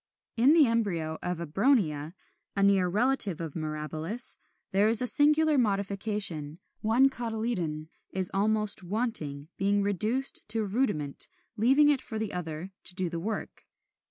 In the embryo of Abronia (Fig. 54, 55), a near relative of Mirabilis, there is a singular modification; one cotyledon is almost wanting, being reduced to a rudiment, leaving it for the other to do the work.